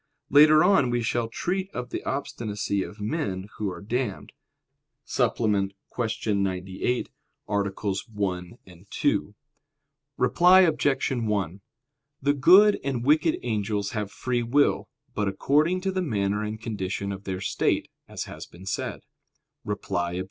Later on we shall treat of the obstinacy of men who are damned (Suppl., Q. 98, AA. 1, 2). Reply Obj. 1: The good and wicked angels have free will, but according to the manner and condition of their state, as has been said. Reply Obj.